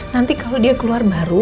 nanti kalau dia keluar baru